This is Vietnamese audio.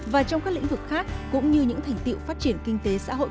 và trong các lĩnh vực khác cũng như những thành tiệu phát triển kinh tế xã hội